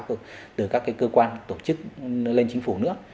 mà cũng là từ các cơ quan tổ chức lên chính phủ nữa